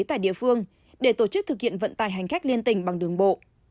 tại địa phương để tổ chức thực hiện vận tải hành khách liên tình bằng đường bộ